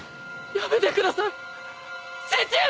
やめてください父上！！